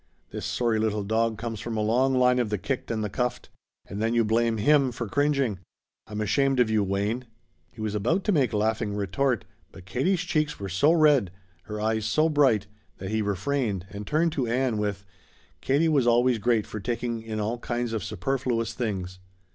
This sorry little dog comes from a long line of the kicked and the cuffed. And then you blame him for cringing. I'm ashamed of you, Wayne!" He was about to make laughing retort, but Katie's cheeks were so red, her eyes so bright, that he refrained and turned to Ann with: "Katie was always great for taking in all kinds of superfluous things."